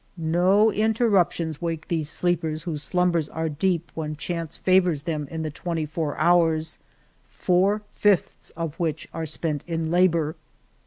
No interruptions wake these sleepers whose slumbers are deep when chance favors them in the twenty four hours — four fifths of which are spent in labor.